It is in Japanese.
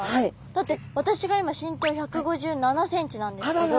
だって私が今身長１５７ｃｍなんですけど。